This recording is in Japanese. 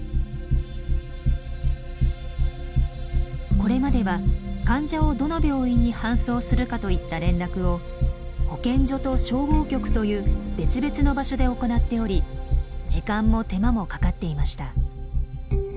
これまでは患者をどの病院に搬送するかといった連絡を保健所と消防局という別々の場所で行っており時間も手間もかかっていました。